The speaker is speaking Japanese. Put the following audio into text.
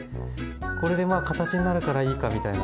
これでまあ形になるからいいかみたいな。